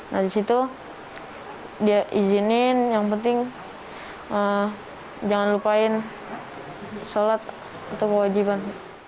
nah di situ dia izinin yang penting jangan lupain sholat atau kewajiban